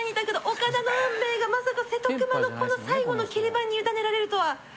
岡田の運命がまさか瀬戸熊のこの最後の切り番に委ねられるとは。